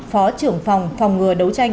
phó trưởng phòng phòng ngừa đấu tranh